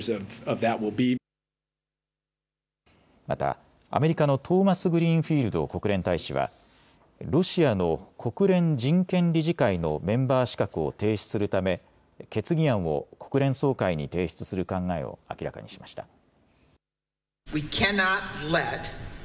またアメリカのトーマスグリーンフィールド国連大使はロシアの国連人権理事会のメンバー資格を停止するため決議案を国連総会に提出する考えを明らかにしました。